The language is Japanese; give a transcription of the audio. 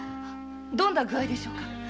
どんな具合でしょうか？